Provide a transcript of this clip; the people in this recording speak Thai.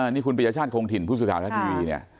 นี่คุณปริญญาชาติโครงถิ่นพูดสุดข่าวแล้วที่นี่